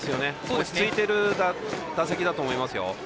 落ち着いている打席だと思いますよ。